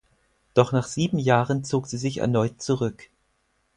Doch nach sieben Jahren zog sie sich erneut zurück.